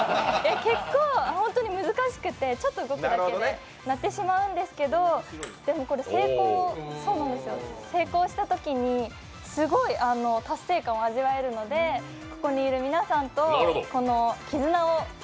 結構本当に難しくて、ちょっと動くだけで鳴ってしまうんですけど、でも、これ成功したときにすごい達成感を味わえるのでいつもの洗濯が